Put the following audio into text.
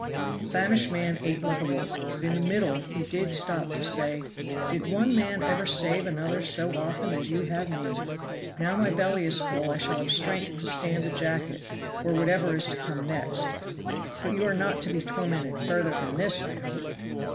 The famished man ate like a wolf; but in the middle he did stop to say, "Did one man ever save another so often as you have me! Now my belly is full I shall have strength to stand the jacket, or whatever is to come next." "But you are not to be tormented further than this, I hope?"